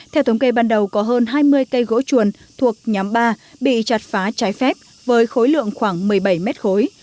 theo thống kê ban đầu có hơn hai mươi cây gỗ chuồn thuộc nhóm ba bị chặt phá trái phép với khối lượng khoảng một mươi bảy mét khối